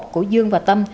của dương và tâm